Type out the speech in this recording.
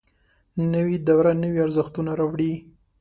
نوې دوره نوي ارزښتونه راوړي